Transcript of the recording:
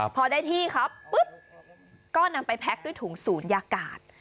พอได้ที่ครับปุ๊บก็นำไปแพ็คด้วยถุงศูนยากาศ